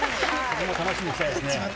楽しみにしたいですね。